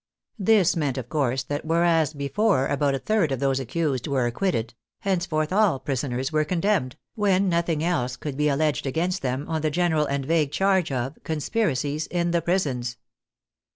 This meant, of course, that whereas before about a third of those accused were acquitted, henceforth all prisoners were condemned, when nothing else could be alleged against them, on the general and vague charge of " conspiracies in the prisons."